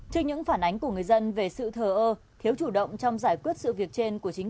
trước những phản ánh của người dân về sự thờ ơ thiếu chủ động trong giải quyết sự việc trên của chính